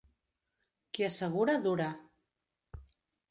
Qui assegura, dura.